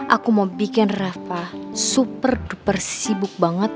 aku mau bikin reva super duper sibuk banget